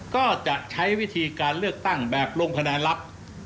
ก็จะใช้วิธีการเลือกตั้งแบบลงคะแนนลับ